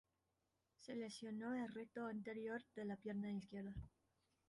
Se lesionó el recto anterior de la pierna izquierda.